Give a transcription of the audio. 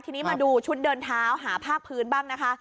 ทีนี้มาดูชุดเดินเท้าหาภาคพื้นบ้างนะคะ